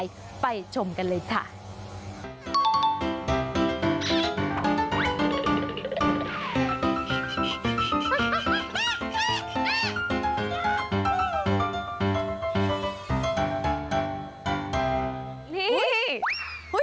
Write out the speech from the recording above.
อีกนิดนึง